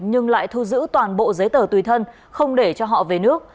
nhưng lại thu giữ toàn bộ giấy tờ tùy thân không để cho họ về nước